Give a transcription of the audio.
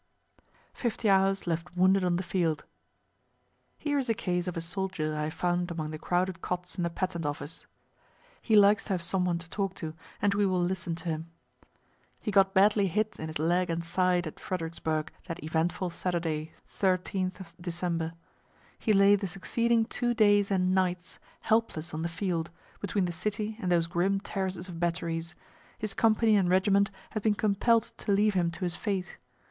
FIFTY HOURS LEFT WOUNDED ON THE FIELD Here is a case of a soldier I found among the crowded cots in the Patent office. He likes to have some one to talk to, and we will listen to him. He got badly hit in his leg and side at Fredericksburgh that eventful Saturday, 13th of December. He lay the succeeding two days and nights helpless on the field, between the city and those grim terraces of batteries; his company and regiment had been compell'd to leave him to his fate.